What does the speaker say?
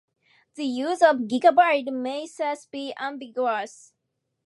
The use of "gigabyte" may thus be ambiguous.